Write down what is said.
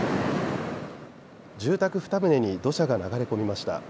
住宅２棟に土砂が流れ込みました。